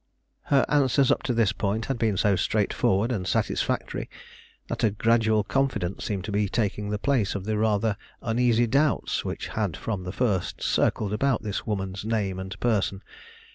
Her answers up to this point had been so straightforward and satisfactory that a gradual confidence seemed to be taking the place of the rather uneasy doubts which had from the first circled about this woman's name and person.